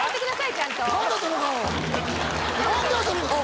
ちゃんと。